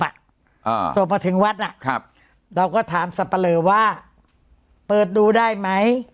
อ่าส่งมาถึงวัดอ่ะครับเราก็ถามสับปะเลอว่าเปิดดูได้ไหม